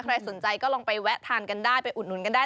ใครสนใจก็ลองไปแวะทานกันได้ไปอุดหนุนกันได้